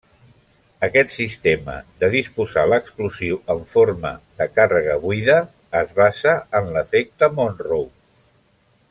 Aquest sistema de disposar l'explosiu en forma de càrrega buida es basa en l'efecte Monroe.